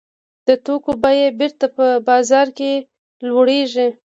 د توکو بیه بېرته په بازار کې لوړېږي